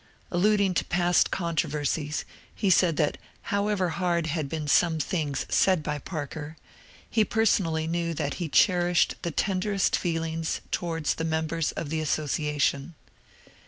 Alluding to past controversies, he said that however hard had been some things said by Parker, he personally knew that he cherished the tenderest feelings towards the members of the association.